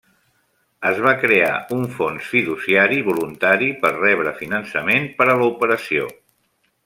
Es va crear un fons fiduciari voluntari per rebre finançament per a l'operació.